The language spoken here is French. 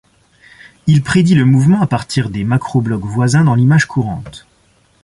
Il prédit le mouvement à partir des macroblocs voisins dans l'image courante.